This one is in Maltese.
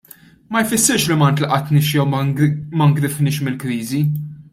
Ma jfissirx li ma ntlaqatniex jew ma ngrifniex mill-kriżi.